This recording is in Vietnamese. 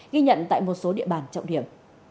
ghi nhận tại một số địa bàn trọng điểm